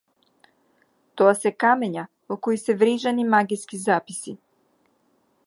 Тоа се камења во кои се врежани магиски записи.